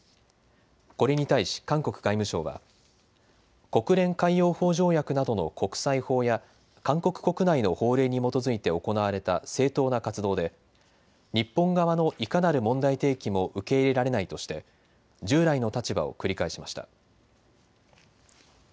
これに対し韓国外務省は国連海洋法条約などの国際法や韓国国内の法令に基づいて行われた正当な活動で日本側のいかなる問題提起も受け入れられないとして従来の立場を繰り返しました。